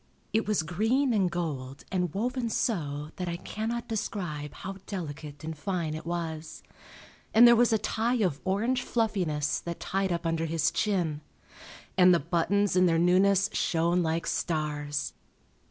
It was green and gold and woven so that I cannot describe how delicate and fine it was, and there was a tie of orange fluffiness that tied up under his chin. And the buttons in their newness shone like stars.